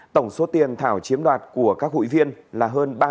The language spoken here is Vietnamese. tổng số tiền thảo chiếm đoạt của các hụi viên là hơn ba mươi tám tỷ đồng